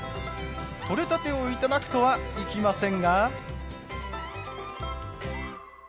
取れたてを頂くとはいきませんが。